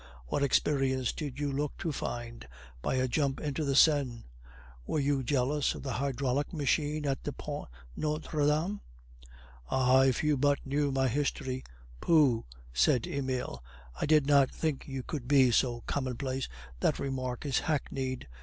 What experience did you look to find by a jump into the Seine? Were you jealous of the hydraulic machine on the Pont Notre Dame?" "Ah, if you but knew my history!" "Pooh," said Emile; "I did not think you could be so commonplace; that remark is hackneyed.